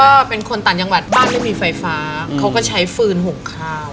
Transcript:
ก็เป็นคนต่างจังหวัดบ้านไม่มีไฟฟ้าเขาก็ใช้ฟืนหุงข้าว